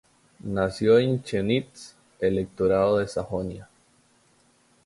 Nació en Chemnitz, Electorado de Sajonia.